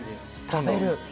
食べる。